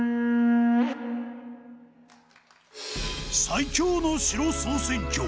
最強の城総選挙